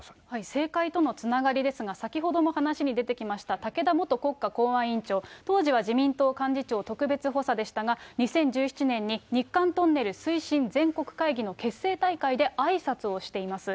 政界とのつながりですが、先ほども話に出てきました、武田元国家公安委員長、当時は自民党幹事長特別補佐でしたが、２０１７年に日韓トンネル推進全国会議の結成大会であいさつしています。